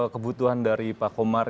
kebutuhan dari pak komar